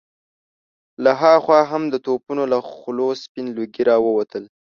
له هاخوا هم د توپونو له خولو سپين لوګي را ووتل.